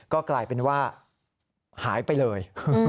ก็กลายเป็นว่าหายไปเลย